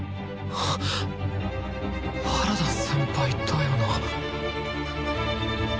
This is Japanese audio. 原田先輩だよな？